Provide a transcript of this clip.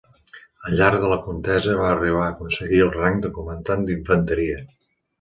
Al llarg de la contesa va arribar a aconseguir el rang de comandant d'infanteria.